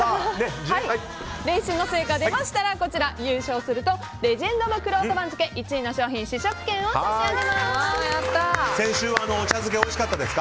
練習の成果、出ましたら優勝するとレジェンド・オブ・くろうと番付１位の商品試食券を差し上げます。